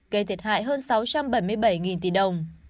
gây thiệt hại hơn sáu trăm bảy mươi bảy tỷ đồng